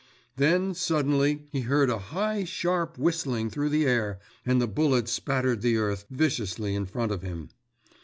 Then, suddenly, he heard a high, sharp whistling through the air, and the bullet spattered the earth viciously in front of him.